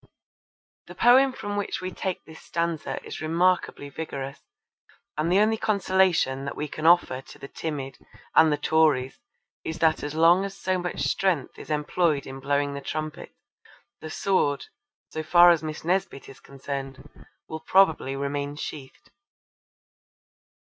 The poem from which we take this stanza is remarkably vigorous, and the only consolation that we can offer to the timid and the Tories is that as long as so much strength is employed in blowing the trumpet, the sword, so far as Miss Nesbit is concerned, will probably remain sheathed.